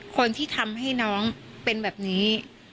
คนที่ทำให้น้องเป็นแบบนี้